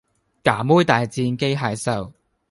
㗎妹大戰機械獸